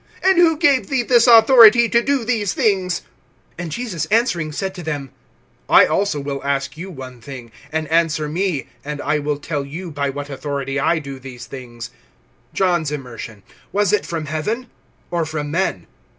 And who gave thee this authority, to do these things? (29)And Jesus answering said to them: I also will ask you one thing; and answer me, and I will tell you by what authority I do these things. (30)John's immersion, was it from heaven, or from men?